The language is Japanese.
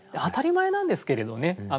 当たり前なんですけれどね。